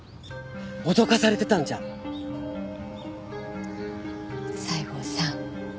脅かされてたんじゃ西郷さん